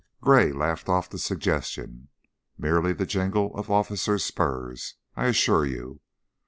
Gray laughed off the suggestion. "Merely the jingle of officers' spurs, I assure you.